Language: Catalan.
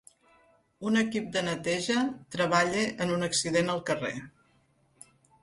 Un equip de neteja treballa en un accident al carrer.